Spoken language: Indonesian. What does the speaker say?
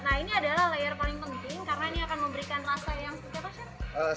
nah ini adalah layer paling penting karena ini akan memberikan rasa yang seperti apa chef